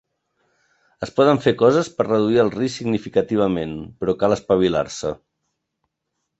Es poden fer coses per reduir el risc significativament, però cal espavilar-se.